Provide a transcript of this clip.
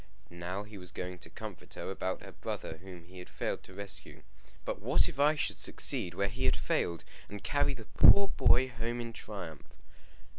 Now he was going to comfort her about her brother whom he had failed to rescue; but what if I should succeed where he had failed, and carry the poor boy home in triumph!